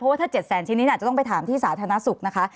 เพราะว่าถ้า๗แสนชิ้นนี้อาจจะต้องไปถามที่สาธารณสุขนะคะ